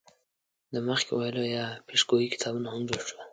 د مخکې ویلو یا پیشګویۍ کتابونه هم جوړ شول.